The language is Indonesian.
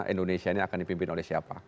indonesia ini akan dipimpin oleh siapa